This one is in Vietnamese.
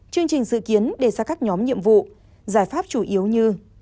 chương trình dự kiến đề ra các nhóm nhiệm vụ giải pháp chủ yếu như